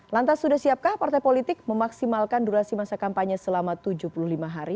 lantas sudah siapkah partai politik memaksimalkan durasi masa kampanye selama tujuh puluh lima hari